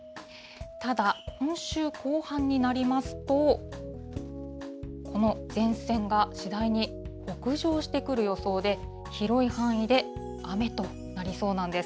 ただ、今週後半になりますと、この前線が次第に北上してくる予想で、広い範囲で雨となりそうなんです。